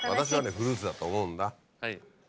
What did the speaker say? フルーツだと思うんだ。